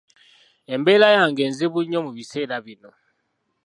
Embeera yange nzibu nnyo mu biseera bino.